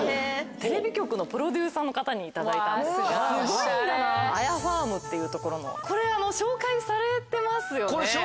テレビ局のプロデューサーの方に頂いたんですが綾ファームっていうところのこれ紹介されてますよね？